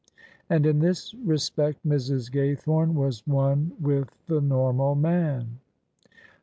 And in this respect Mrs. Gaythorne was one with the normal man.